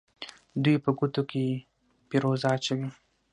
دوی په ګوتو کې فیروزه اچوي.